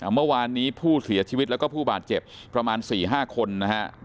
เมื่อวานนี้ผู้เสียชีวิตแล้วก็ผู้บาดเจ็บประมาณ๔๕คนนะฮะ